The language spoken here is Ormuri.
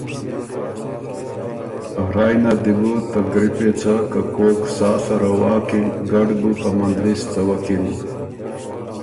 رایٛ نر دی بو ته ګری پېڅه که کوک سا سره واکِن ګډ بُو په مندلِس څوکِن۔